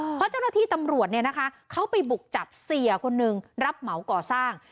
เพราะเจ้าหน้าที่ตำรวจเนี่ยนะคะเขาไปบุกจับเสียคนหนึ่งรับเหมาก่อสร้าง